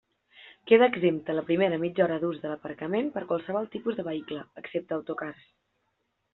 Queda exempta la primera mitja hora d'ús de l'aparcament per a qualsevol tipus de vehicle, excepte autocars.